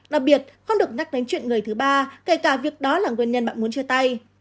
đặc biệt không được nhắc đến chuyện người thứ ba kể cả việc đó là nguyên nhân bạn muốn chia tay